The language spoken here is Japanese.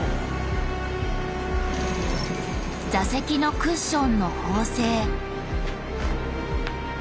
座席のクッションの縫製。